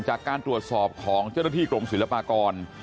จากการตรวจสอบของเจ้าหน้าที่กรมศิลปากร